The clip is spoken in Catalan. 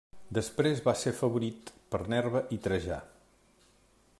Després va ser afavorit per Nerva i Trajà.